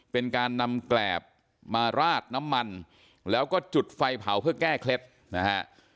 เป็นการนำแกรบมาราดน้ำมันแล้วก็จุดไฟเผาเพื่อแก้เคล็ดนะฮะ